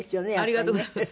ありがとうございます。